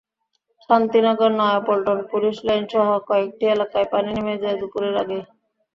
Shantinagar, Nayapaltan police লাইনসসহ কয়েকটি এলাকায় পানি নেমে যায় দুপুরের আগেই।